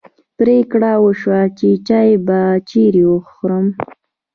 پرېکړه وشوه چې چای به چیرې خورو.